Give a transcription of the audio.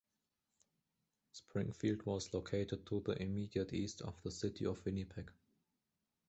Springfield was located to the immediate east of the City of Winnipeg.